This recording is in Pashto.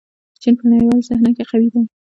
چین په نړیواله صحنه کې قوي دی.